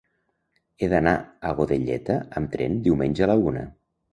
He d'anar a Godelleta amb tren diumenge a la una.